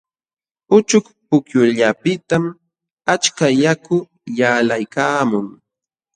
Uchuk pukyullapiqtam achka yaku yalqaykaamun.